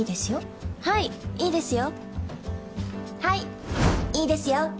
はいいいですよ。